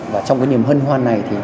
và trong cái niềm hân hoan này